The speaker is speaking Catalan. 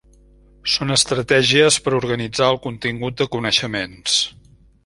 Són estratègies per organitzar el contingut de coneixements.